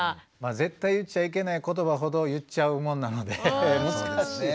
絶対言っちゃいけない言葉ほど言っちゃうもんなので難しい。